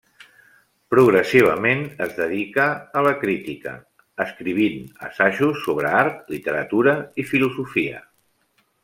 Progressivament es dedica a la crítica, escrivint assajos sobre art, literatura i filosofia.